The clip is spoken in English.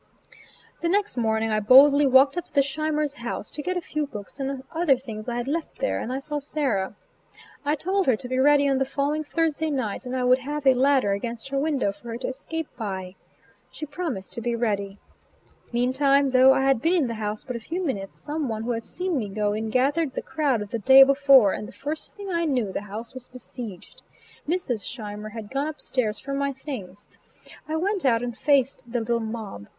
The next morning I boldly walked up to Scheimer's house to get a few books and other things I had left there, and I saw Sarah. I told her to be ready on the following Thursday night and I would have a ladder against her window for her to escape by. She promised to be ready. Meantime, though I had been in the house but a few minutes, some one who had seen me go in gathered the crowd of the day before, and the first thing I knew the house was beseiged. Mrs. Scheimer had gone up stairs for my things. I went out and faced the little mob.